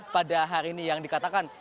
pada hari ini yang dikatakan